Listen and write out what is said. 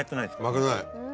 負けない。